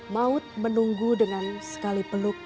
maut menunggu dengan sekali peluk